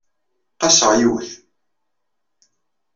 Qaseɣ yiwet.